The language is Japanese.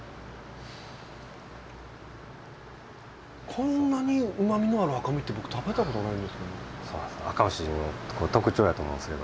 こんなにうまみのある赤身って僕食べたことないんですけど。